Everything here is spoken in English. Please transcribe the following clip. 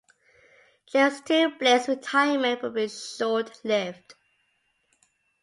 James T. Blair's retirement would be short-lived.